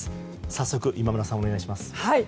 早速、今村さんお願いします。